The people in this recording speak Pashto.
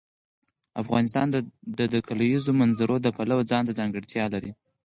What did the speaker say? افغانستان د د کلیزو منظره د پلوه ځانته ځانګړتیا لري.